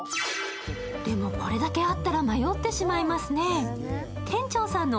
でもこれだけあったら迷ってしまいますね。